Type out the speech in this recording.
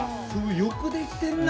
よくできてんな。